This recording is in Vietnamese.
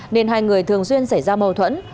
nên hai người thường xuyên xảy ra mâu thuẫn